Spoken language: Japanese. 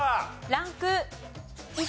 ランク１。